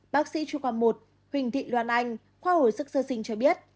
bác sĩ chu quang một huỳnh thị loan anh khoa hồi sức sơ sinh cho biết